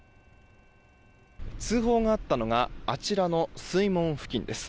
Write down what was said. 通報があったのがあちらの水門付近です。